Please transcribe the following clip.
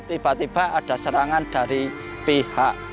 tiba tiba ada serangan dari pihak